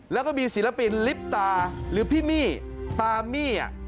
แล้วก็มีศิลปินลิปตาหรือพี่มี่ตามี่